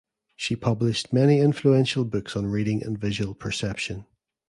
She published many influential books on reading and visual perception.